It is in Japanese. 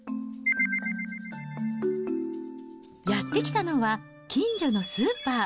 やって来たのは近所のスーパー。